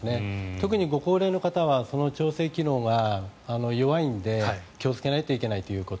特にご高齢の方はその調整機能が弱いので気をつけないといけないと。